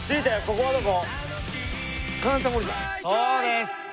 そうです。